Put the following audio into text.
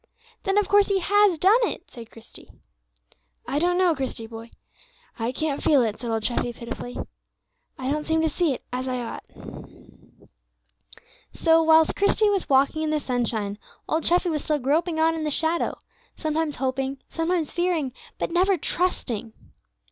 "Then of course He has done it," said Christie. "I don't know, Christie, boy; I can't feel it," said old Treffy pitifully. "I don't seem to see it as I ought." So, whilst Christie was walking in the sunshine, Old Treffy was still groping on in the shadow, sometimes hoping, sometimes fearing, but never trusting.